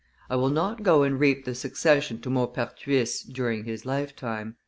"I will not go and reap the succession to Maupertuis during his lifetime.